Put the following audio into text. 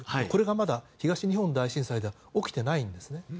これがまだ東日本大震災で起きていないんですね。